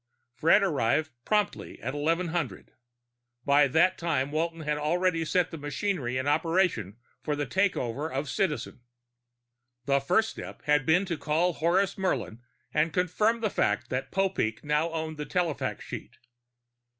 Fred arrived promptly at 1100. By that time Walton had already set the machinery in operation for the taking over of Citizen. The first step had been to call Horace Murlin and confirm the fact that Popeek now owned the telefax sheet.